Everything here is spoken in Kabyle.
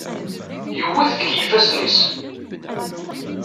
Yewwet deg yifassen-is.